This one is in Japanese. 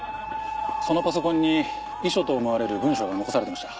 そのパソコンに遺書と思われる文書が残されてました。